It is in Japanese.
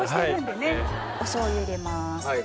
お醤油入れます。